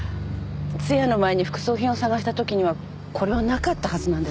通夜の前に副葬品を探したときにはこれはなかったはずなんです。